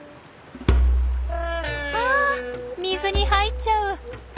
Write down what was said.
あ水に入っちゃう。